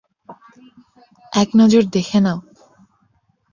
এক নজর দেখে নাও।